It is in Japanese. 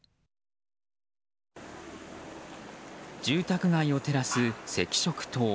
住宅街を照らす赤色灯。